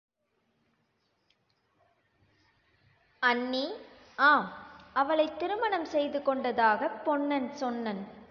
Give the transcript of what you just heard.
அண்ணி ஆம் அவளைத் திருமணம் செய்து கொண்டதாகப் பொன்னன் சொன்னன்!